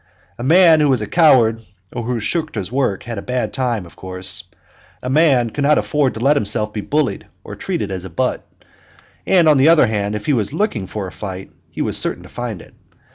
A man who was a coward or who shirked his work had a bad time, of course; a man could not afford to let himself be bullied or treated as a butt; and, on the other hand, if he was "looking for a fight," he was certain to find it.